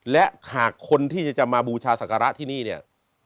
และหากคนที่จะมาบูชาศักระที่นี่เนี่ย